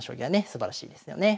すばらしいですよね。